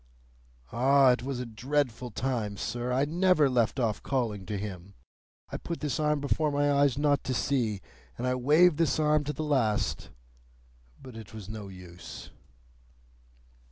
"Ah! it was a dreadful time, sir. I never left off calling to him. I put this arm before my eyes not to see, and I waved this arm to the last; but it was no use."